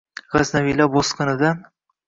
Gʼaznaviylar bosqinidan